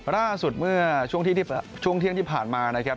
ล่าสุดเมื่อช่วงเที่ยงที่ผ่านมานะครับ